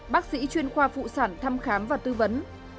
bác sĩ chuyên khoa phụ sản thăm khám và tư vấn